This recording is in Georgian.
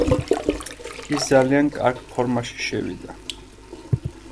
ის ძალიან კარგ ფორმაში შევიდა.